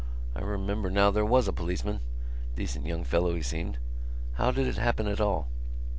"I remember now there was a policeman. Decent young fellow, he seemed. How did it happen at all?"